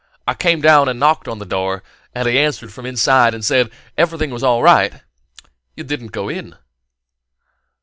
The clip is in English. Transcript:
I came down and knocked on the door, and he answered from inside and said that everything was all right " "You didn't go in?"